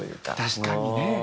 確かにね。